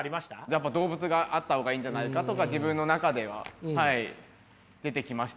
やっぱ動物があった方がいいんじゃないかとか自分の中では出てきましたね。